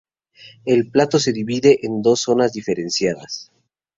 El plató se divide en dos zonas diferenciadas.